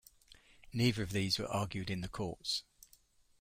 Neither of these were argued in the courts.